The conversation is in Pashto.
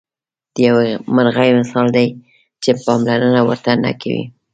د یوې مرغۍ مثال لري چې پاملرنه ورته نه کوئ.